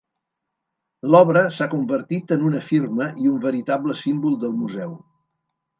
L'obra s'ha convertit en una firma i un veritable símbol del museu.